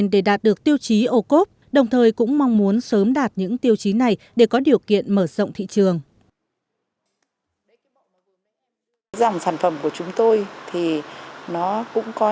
để đạt được tiêu chí ô cốp đồng thời cũng mong muốn sớm đạt những tiêu chí này để có điều kiện mở rộng thị trường